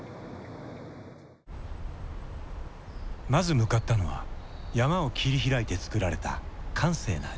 まず向かったのは山を切り開いて造られた閑静な住宅地。